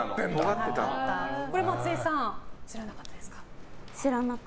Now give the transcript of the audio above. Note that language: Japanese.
松井さん知らなかったです。